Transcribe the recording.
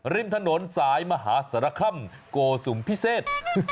ริมถนนสายมหาสารคำโกสุมพิเศษ